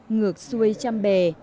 ngược xuôi trăm bề